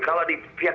kalau di pihak